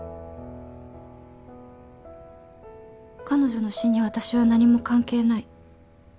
彼女の死に私は何も関係ない。